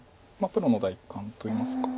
プロの第一感といいますか。